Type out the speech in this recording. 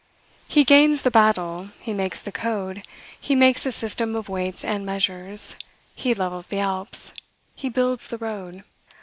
He gains the battle; he makes the code; he makes the system of weights and measures; he levels the Alps; he builds the road.